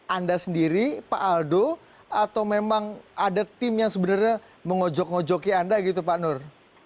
anda sendiri pak aldo atau memang ada tim yang sebenarnya mengojok ngojoki anda gitu pak nur